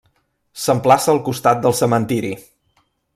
S'emplaça al costat del cementiri.